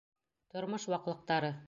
Тормош ваҡлыҡтары!